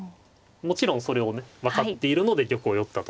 もちろんそれをね分かっているので玉を寄ったと。